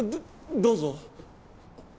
どうぞ。